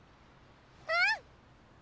うん！